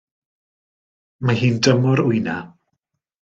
Mae hi'n dymor wyna.